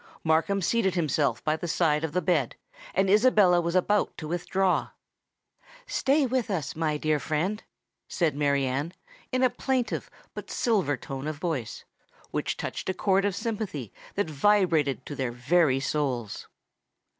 Markham seated himself by the side of the bed; and Isabella was about to withdraw. "Stay with us, my dear friend," said Mary Anne, in a plaintive but silver tone of voice, which touched a chord of sympathy that vibrated to their very souls.